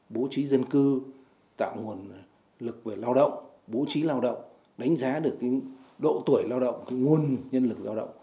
bố trí dân cư tạo nguồn lực về lao động bố trí lao động đánh giá được độ tuổi lao động nguồn nhân lực lao động